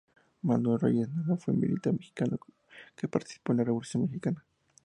Manuel Reyes Nava fue un militar mexicano que participó en la Revolución mexicana.